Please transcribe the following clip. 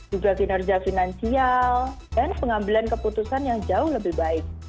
juga kinerja finansial dan pengambilan keputusan yang jauh lebih baik